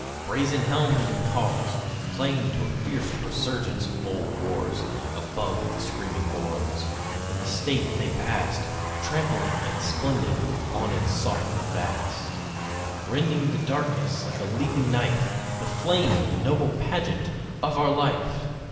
Brazen helms and cars Clanged to a fierce resurgence of old wars Above the screaming horns. In state they passed, Trampling and splendid on and sought the vast Rending the darkness like a leaping knife, The flame, the noble pageant of our life!